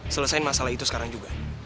selesaikan masalah itu sekarang juga